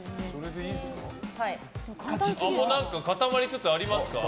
もう固まりつつありますか？